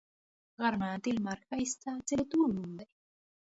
غرمه د لمر ښایسته ځلیدو نوم دی